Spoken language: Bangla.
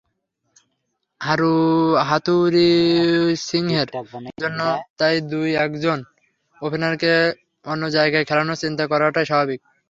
হাথুরুসিংহের জন্য তাই দু-একজন ওপেনারকে অন্য জায়গায় খেলানোর চিন্তা করাটাই স্বাভাবিক।